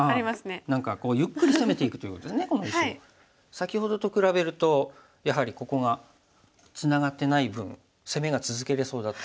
先ほどと比べるとやはりここがツナがってない分攻めが続けれそうだと。